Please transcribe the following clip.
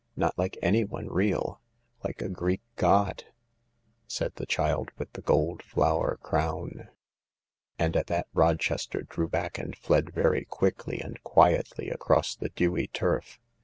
.. not like anyone real. Like a Greek god ..." said the child with the gold flower crown. And at that Rochester drew back and fled very quickly and quietly across the dewy turf.